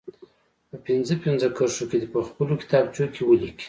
په پنځه پنځه کرښو کې دې په خپلو کتابچو کې ولیکي.